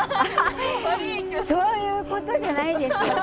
そういうことじゃないんですよ！